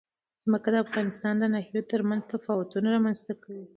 ځمکه د افغانستان د ناحیو ترمنځ تفاوتونه رامنځ ته کوي.